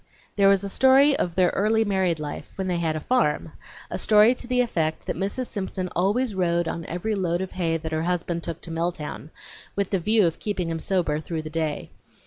There was a story of their early married life, when they had a farm; a story to the effect that Mrs. Simpson always rode on every load of hay that her husband took to Milltown, with the view of keeping him sober through the day.